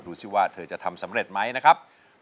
ดูสิว่าเธอจะทำสำเร็จไหมนะครับ